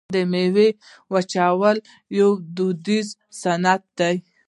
د میوو وچول یو دودیز صنعت دی.